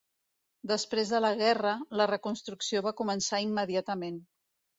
Després de la guerra, la reconstrucció va començar immediatament.